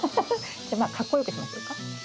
じゃまあかっこよくしましょうか。